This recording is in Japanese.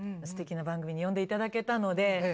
すてきな番組に呼んで頂けたので。